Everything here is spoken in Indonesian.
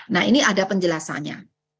nah ini ada penjelasannya